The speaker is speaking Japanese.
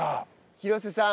廣瀬さん